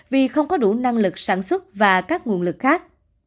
vì không có đủ năng lực sản xuất và các nguồn lực khác